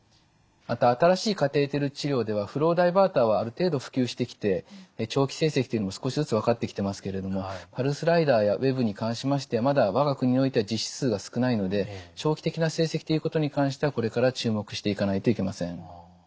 また新しいカテーテル治療ではフローダイバーターはある程度普及してきて長期成績というのも少しずつ分かってきてますけれどもパルスライダーやＷ−ＥＢに関しましてはまだ我が国においては実施数が少ないので長期的な成績ということに関してはこれから注目していかないといけません。